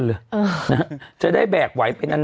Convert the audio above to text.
นะเดี๋ยวจะได้แบกไหวไปนาน